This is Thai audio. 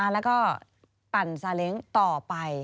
แล้วก็ปั่นซาเล้งต่อไป